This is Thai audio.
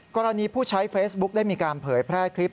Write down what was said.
กรณีผู้ใช้เฟซบุ๊คได้มีการเผยแพร่คลิป